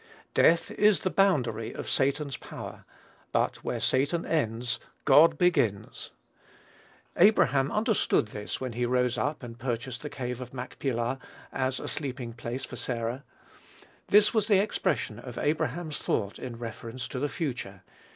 Death is the boundary of Satan's power; but where Satan ends, God begins. Abraham understood this when he rose up and purchased the cave of Machpelah as a sleeping place for Sarah. This was the expression of Abraham's thought in reference to the future.